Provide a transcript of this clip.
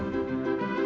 kok gak ada